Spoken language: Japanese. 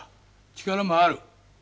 力もある。